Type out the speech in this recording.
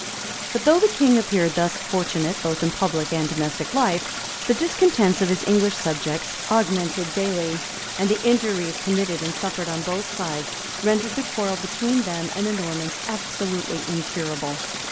But though the king appeared thus fortunate both in public and domestic life, the discontents of his English subjects augmented daily; and the injuries committed and suffered on both sides rendered the quarrel between them and the Normans absolutely incurable.